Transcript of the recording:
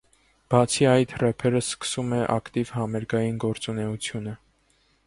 Բացի այդ ռեփերը սկսում է ակտիվ համերգային գործունեությունը։